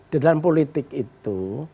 dalam politik itu